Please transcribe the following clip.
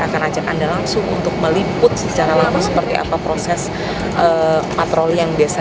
akan ajak anda langsung untuk meliput secara langsung seperti apa proses patroli yang biasa